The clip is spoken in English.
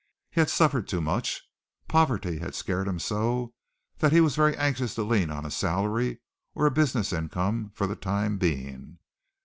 He had suffered too much poverty had scared him so that he was very anxious to lean on a salary or a business income for the time being.